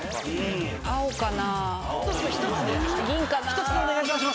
１つでお願いします！